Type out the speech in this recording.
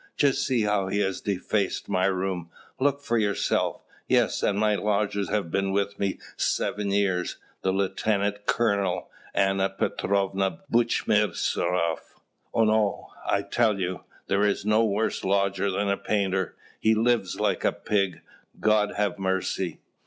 Just see how he has defaced my room! Look for yourself. Yes, and my lodgers have been with me seven years, the lieutenant colonel, Anna Petrovna Buchmisteroff. No, I tell you, there is no worse lodger than a painter: he lives like a pig God have mercy!"